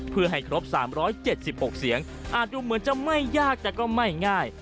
เพื่อให้ครบ๓๗๖เสียงอาจดูเหมือนจะไม่ยากแต่ก็ไม่ง่าย